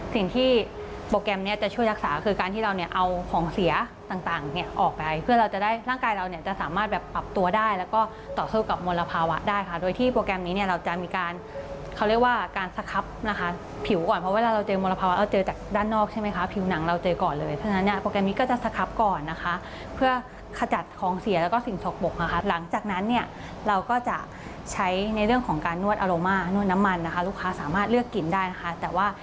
สิ่งที่โปรแกรมเนี้ยจะช่วยรักษาคือการที่เราเนี้ยเอาของเสียต่างต่างเนี้ยออกไปเพื่อเราจะได้ร่างกายเราเนี้ยจะสามารถแบบปรับตัวได้แล้วก็ต่อสู้กับมลภาวะได้ค่ะโดยที่โปรแกรมนี้เนี้ยเราจะมีการเขาเรียกว่าการสครับนะคะผิวก่อนเพราะเวลาเราเจอมลภาวะเราเจอจากด้านนอกใช่ไหมคะผิวหนังเราเจอก่อนเลยเพราะฉะนั้นเนี้ยโ